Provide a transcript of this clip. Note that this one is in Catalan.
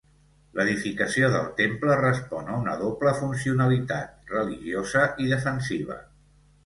L'edificació del temple respon a una doble funcionalitat: religiosa i defensiva.